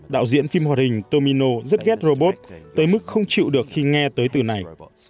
đạo diễn phim hoạt hình tomino rất ghét robot tới mức không chịu được khi nghe tới từ này